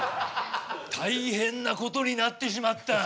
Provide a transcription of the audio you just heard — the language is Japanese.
大変なことになってしまった。